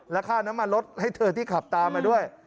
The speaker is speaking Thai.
และค่าน้ำมันรถให้เธอที่ขับตามมาด้วย